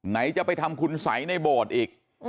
ไหนจะไปทำคุณสัยในโบดอีก